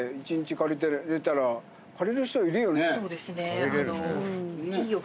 そうですね。